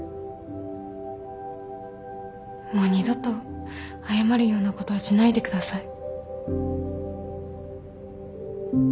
もう二度と謝るようなことはしないでください。